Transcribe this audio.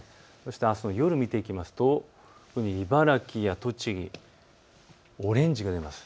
あすの夜、見ていきますと茨城や栃木、オレンジが出ます。